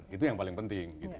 itu yang paling penting